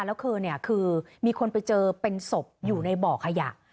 แล้วคือมีคนไปเจอเป็นศพอยู่ในเบาะขยะ